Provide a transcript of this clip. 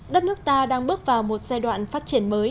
đất nước ta đang bước vào một giai đoạn phát triển mới